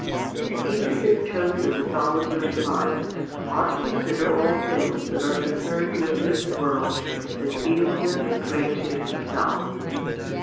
1. HE that has chosen the solitary life ought to consider all things that are concerned with this world as alien and strange to himself.